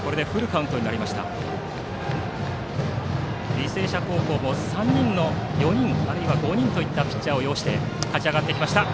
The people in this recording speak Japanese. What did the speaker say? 履正社高校も４人、あるいは５人のピッチャーを擁して勝ち上がってきました。